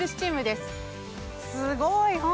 すごい！